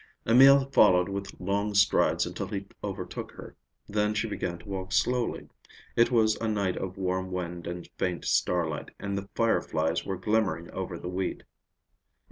Emil followed with long strides until he overtook her. Then she began to walk slowly. It was a night of warm wind and faint starlight, and the fireflies were glimmering over the wheat.